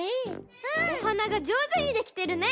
おはながじょうずにできてるね！